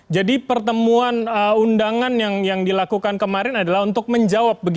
pertemuan undangan yang dilakukan kemarin adalah untuk menjawab